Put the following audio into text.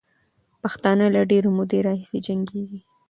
پښتانه له ډېرې مودې راهیسې جنګېږي.